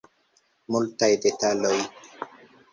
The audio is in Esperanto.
Multaj detaloj.